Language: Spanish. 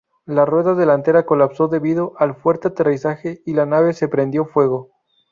La rueda delantera colapsó debido al fuerte aterrizaje y la nave se prendió fuego.